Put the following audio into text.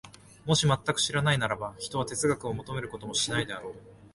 もし全く知らないならば、ひとは哲学を求めることもしないであろう。